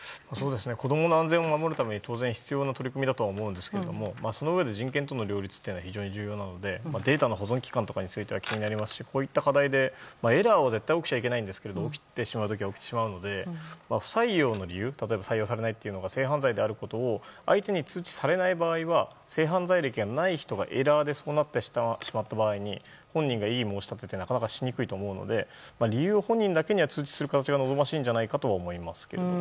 子供の安全を守るためには必要ですがそのうえで人権との両立が非常に重要なのでデータの保存期間についても気になりますしこういった課題でエラーは絶対起きちゃいけないけど起きるときは起きるので不採用の理由例えば採用されないのが性犯罪である場合は相手に通知されない場合は性犯罪歴がない人がエラーでそうなってしまった場合本人が異議申し立てってしにくいと思うので理由を本人が知ることは望ましいんじゃないかと思いますが。